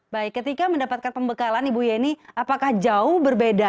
baik ketika mendapatkan pembekalan ibu yeni apakah jauh berbeda